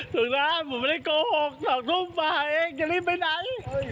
ถูกนะหนูไม่ได้โกหก๒ทุ่มมาเองจะรีบไปไหน